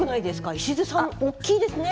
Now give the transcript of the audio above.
石津さん大きいですね。